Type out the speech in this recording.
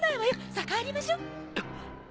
さあ帰りましょ。